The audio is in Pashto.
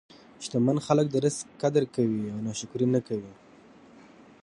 شتمن خلک د رزق قدر کوي او ناشکري نه کوي.